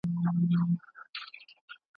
له باده سره الوزي پیمان په باور نه دی `